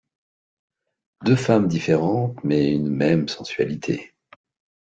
Deux femmes différentes, mais une même sensualité.